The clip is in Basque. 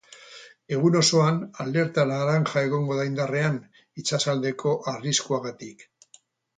Egun osoan alerta laranja egongo da indarrean, itsasaldeko arriskuagatik.